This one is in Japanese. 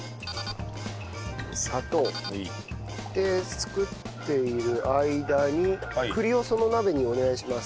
砂糖。で作っている間に栗をその鍋にお願いします。